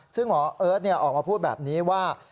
ซึ่งหมอเอิร์ทออกมาพูดแบบนี้ว่า